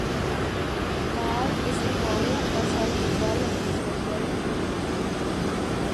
Baal es un Goa'uld basado en el Baal de la mitología de Medio Oriente.